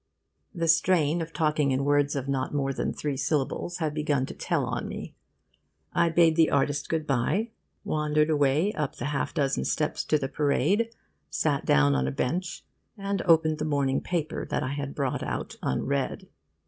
The strain of talking in words of not more than three syllables had begun to tell on me. I bade the artist good bye, wandered away up the half dozen steps to the Parade, sat down on a bench, and opened the morning paper that I had brought out unread.